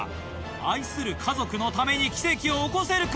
愛する家族のために奇跡を起こせるか？